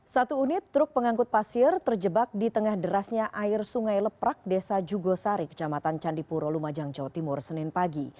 satu unit truk pengangkut pasir terjebak di tengah derasnya air sungai leprak desa jugosari kecamatan candipuro lumajang jawa timur senin pagi